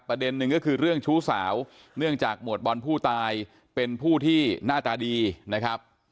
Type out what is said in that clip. หนึ่งก็คือเรื่องชู้สาวเนื่องจากหมวดบอลผู้ตายเป็นผู้ที่หน้าตาดีนะครับ